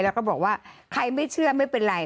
แล้วก็บอกว่าใครไม่เชื่อไม่เป็นไร